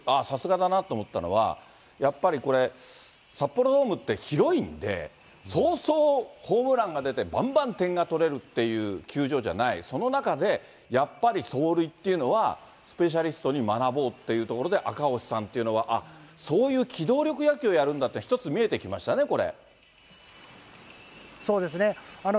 さすがだなと思ったのは、やっぱりこれ、札幌ドームって広いんで、早々、ホームランが出て、ばんばん点が取れるっていう球場じゃない、その中で、やっぱり走塁っていうのは、スペシャリストに学ぼうっていうところで、赤星さんっていうのは、そういう機動力野球をやるんだって、一つ、見えてきましたね、こそうですね。